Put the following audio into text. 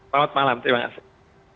selamat malam terima kasih